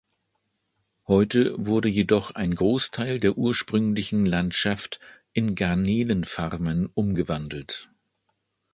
Heute wurde jedoch ein Großteil der ursprünglichen Landschaft in Garnelen-Farmen umgewandelt.